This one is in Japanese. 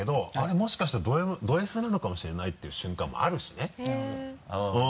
もしかしたらドＳなのかもしれないっていう瞬間もあるしねへぇ。